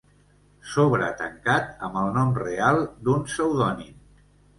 Sobre tancat amb el nom real d'un pseudònim.